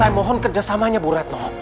saya mohon kerjasamanya bu retno